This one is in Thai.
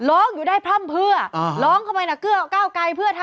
ร้องอยู่ได้พร่ำเพื่อร้องเข้าไปก้าวไก่เพื่อทาย